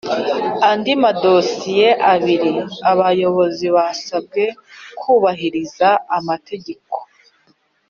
andi madosiye abiri abayobozi basabwe kubahiriza amategeko ;